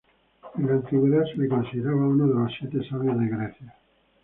En la antigüedad se le consideraba uno de los Siete Sabios de Grecia.